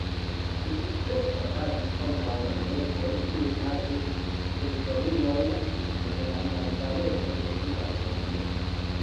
Li sukcese batalis kontraŭ la grekoj, kiuj havis teritoriojn en najbareco de suda Hungario.